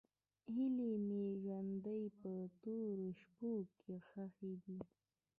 هیلې مې د ژوند په تورو شپو کې ښخې دي.